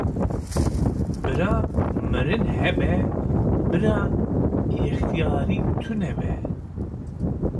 Bira mirin hebe bira yextiyarî tunebe